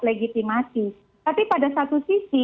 legitimasi tapi pada satu sisi